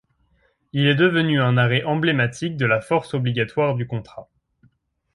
Il est devenu un arrêt emblématique de la force obligatoire du contrat.